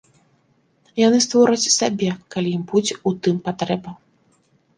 Яны створаць сабе, калі ім будзе ў тым патрэба.